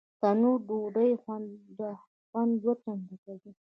تنور د ډوډۍ خوند دوه چنده کوي